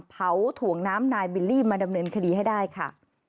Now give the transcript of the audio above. ถ่วงน้ำนายบิลลี่มาดำเนินคดีให้ได้ค่ะ